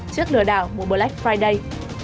trước lừa đảo mua black friday